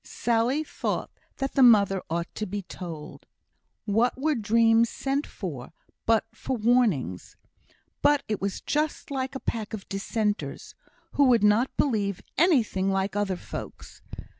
Sally thought that the mother ought to be told; what were dreams sent for but for warnings? But it was just like a pack of Dissenters, who would not believe anything like other folks.